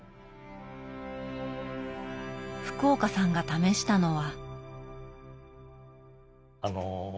福岡さんが試したのは。